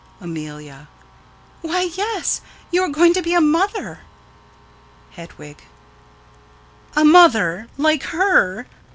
Amelia: Why, yes, you are going to be a mother. Hedwig: A mother? Like her?